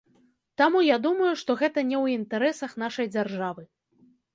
Таму я думаю, што гэта не ў інтарэсах нашай дзяржавы.